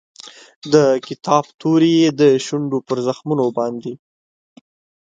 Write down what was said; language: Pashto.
د کتاب توري یې د شونډو پر زخمونو باندې